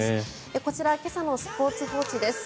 こちら今朝のスポーツ報知です。